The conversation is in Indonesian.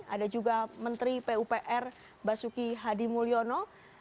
ada juga menteri pupr basuki hadi mulyono